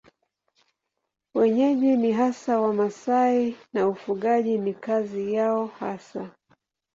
Wenyeji ni hasa Wamasai na ufugaji ni kazi yao hasa.